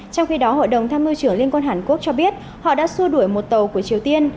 trong khi đó hội đồng tham mưu trưởng liên quân hàn quốc cho biết họ đã xua đuổi một tàu của triều tiên